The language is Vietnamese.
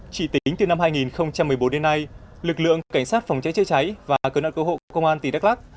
chỉ tính từ năm hai nghìn một mươi bốn đến nay lực lượng cảnh sát phòng cháy chữa cháy và cầu nạn cầu hộ công an tỉnh đắk lắc